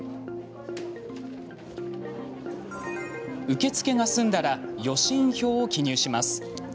受付が済んだら予診票を記入します。